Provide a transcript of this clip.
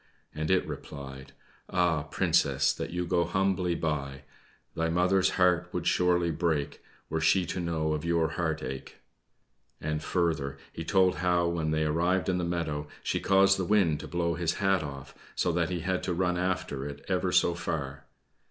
and it replied: "Ah, Princess, that you go humbly by! Thy mother's heart would surely break Were she to know of your heart ache!" And, further, he told how when they arrived in the meadow, she caused the wind to blow his hat off, so that he had to run after it ever so far.